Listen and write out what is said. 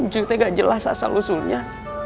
cuya tak jelas asal usulnya